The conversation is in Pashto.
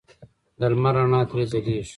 د لمر رڼا ترې ځلېږي.